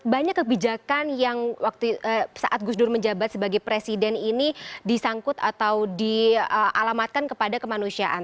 banyak kebijakan yang waktu saat gus dur menjabat sebagai presiden ini disangkut atau dialamatkan kepada kemanusiaan